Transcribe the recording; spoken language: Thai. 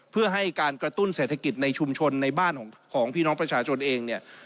เพื่อให้การกระตุ้นเศรษฐกิจในชุมชนในบ้านของพี่น้องประชาชนเองเนี่ย